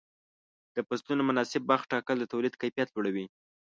د فصلونو مناسب وخت ټاکل د تولید کیفیت لوړوي.